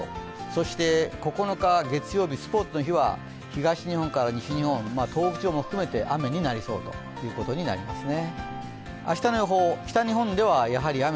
そして９日、月曜日、スポーツの日は東日本から西日本、東北地方も含めて雨になりそうということになりますね。